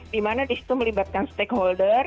dimana di situ melibatkan stakeholder